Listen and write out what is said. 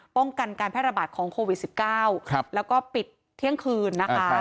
ป้องกันการแพร่ระบาดของโควิด๑๙แล้วก็ปิดเที่ยงคืนนะคะ